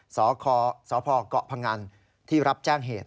สพเกาะพงันที่รับแจ้งเหตุ